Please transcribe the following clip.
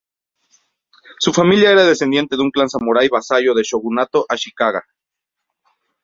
Su familia era descendiente de un clan samurai vasallo del shogunato Ashikaga.